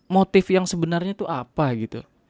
motif yang sebenarnya itu apa gitu